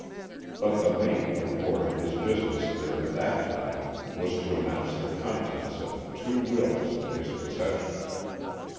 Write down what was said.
But the main purport of his business there at that time was to announce the contents of the two wills in his possession.